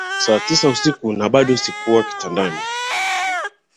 Saa sita usiku na bado sikuwa kitandani